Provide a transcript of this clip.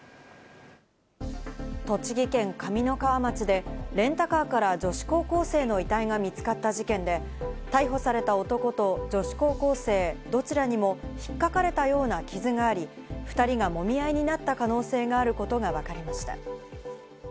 栃木県上三川町でレンタカーから女子高校生の遺体が見つかった事件で、逮捕された男と女子高校生、どちらにも引っかかれたような傷があり、２人がもみ合いになった可能性があることがわかりました。